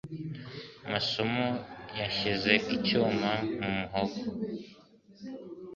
masomo yashyize icyuma mu muhogo.